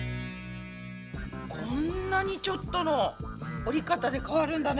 こんなにちょっとの折り方で変わるんだね。